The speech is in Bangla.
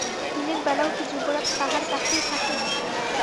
দিনের বেলাও কি যুবরাজ তাঁহার কাছেই থাকেন?